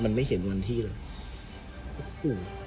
มันไม่เห็นวันที่เลย